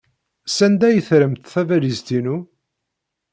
Sanda ay terramt tabalizt-inu?